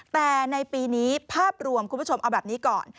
แต่ในปีนี้ภาพรวมคุณผู้ชมเอาแบบนี้ก่อน